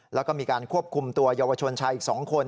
แล้วก็มีการควบคุมตัวเยาวชนชายอีก๒คน